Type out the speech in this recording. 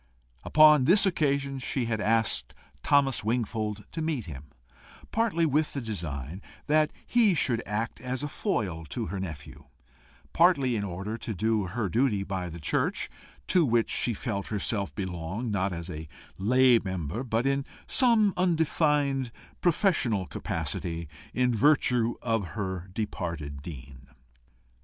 Upon this occasion she had asked Thomas Wingfold to meet him, partly with the design that he should act as a foil to her nephew, partly in order to do her duty by the church, to which she felt herself belong not as a lay member, but in some undefined professional capacity, in virtue of her departed dean.